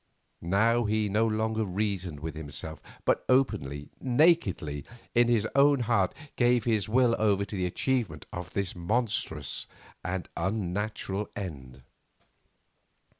Now he no longer reasoned with himself, but openly, nakedly, in his own heart gave his will over to the achievement of this monstrous and unnatural end.